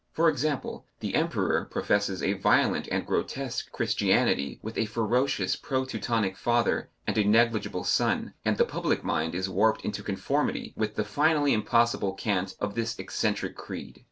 For example, the Emperor professes a violent and grotesque Christianity with a ferocious pro Teutonic Father and a negligible Son, and the public mind is warped into conformity with the finally impossible cant of this eccentric creed.